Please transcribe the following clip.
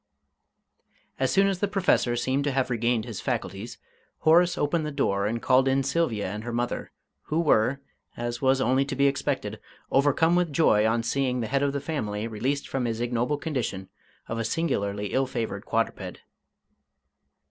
As soon as the Professor seemed to have regained his faculties, Horace opened the door and called in Sylvia and her mother, who were, as was only to be expected, overcome with joy on seeing the head of the family released from his ignoble condition of a singularly ill favoured quadruped.